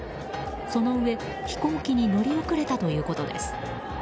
そのうえ、飛行機に乗り遅れたということです。